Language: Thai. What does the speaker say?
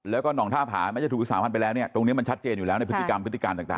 แล้วก็หนองท่าผาแม้จะถูกวิสามันไปแล้วเนี่ยตรงนี้มันชัดเจนอยู่แล้วในพฤติกรรมพฤติการต่าง